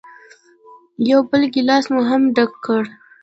یو بل ګیلاس مو هم ډک کړ.